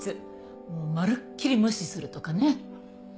もうまるっきり無視するとかね。